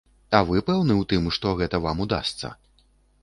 А вы пэўны ў тым, што гэта вам удасца?